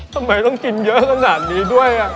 ทำไมต้องกินเยอะขนาดนี้ด้วย